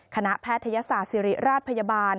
แพทยศาสตร์ศิริราชพยาบาล